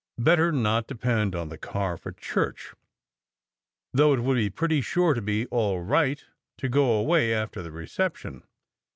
Better not depend on the car for church, though it would be pretty sure to be all right to go away in after the reception.